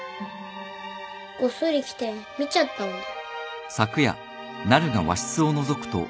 こっそり来て見ちゃったんだ。